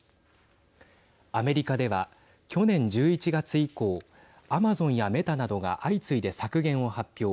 アメリカでは去年１１月以降アマゾンやメタなどが相次いで削減を発表。